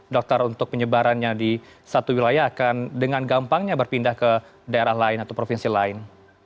dokter untuk penyebarannya di satu wilayah akan dengan gampangnya berpindah ke daerah lain atau provinsi lain